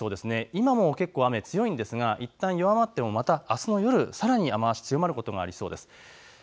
今も結構、雨強いのですがいったん弱まってもあすの夜、さらに雨足強まることがありそうです。